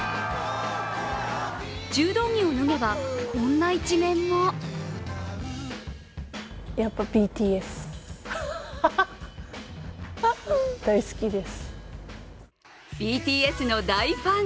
柔道着を脱げばこんな一面もＢＴＳの大ファン。